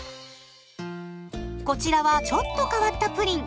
こちらはちょっと変わったプリン。